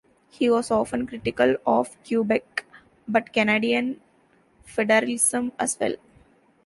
He was often critical of Quebec but Canadian Federalism as well.